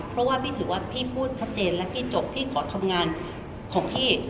เพราะว่าพี่ถือว่าพี่พูดชัดเจนและพี่จบพี่ขอทำงานของพี่